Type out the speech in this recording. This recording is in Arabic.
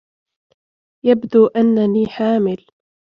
يبدو أنّني حامل.